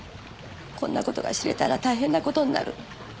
こんなことが知れたら大変なことになる